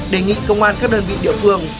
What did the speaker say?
đề nghị công an các đơn vị địa phương